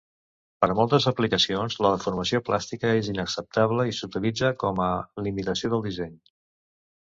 Per a moltes aplicacions, la deformació plàstica és inacceptable, i s'utilitza com a limitació del disseny.